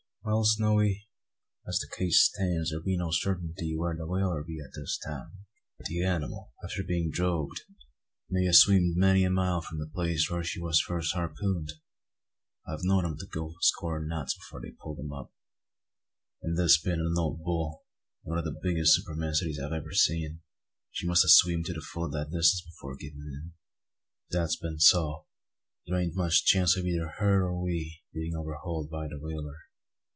"Well, Snowy, as the case stands, thear be no sartinty where the whaler be at this time. The anymal, after being drogued, may a' sweemed many a mile from the place where she war first harpooned. I've knowed 'em to go a score o' knots afore they pulled up; an' this bein' a' old bull, one o' the biggest spermacetys I ever see, she must a sweemed to the full o' that distance afore givin' in. If that's been so, thear ain't much chance o' eyther her or we bein' overhauled by the whaler."